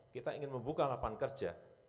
kita ingin membuka lapangan kerja